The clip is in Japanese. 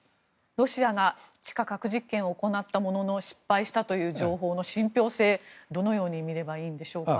ロシアが地下核実験を行ったものの失敗したという情報の信ぴょう性はどのように見ればいいんでしょうか。